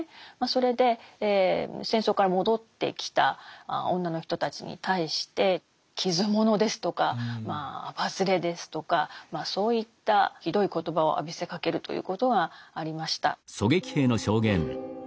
それで戦争から戻ってきた女の人たちに対して傷ものですとかあばずれですとかそういったひどい言葉を浴びせかけるということがありました。